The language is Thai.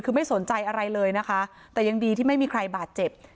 คือไม่สนใจอะไรเลยนะคะแต่ยังดีที่ไม่มีใครบาดเจ็บ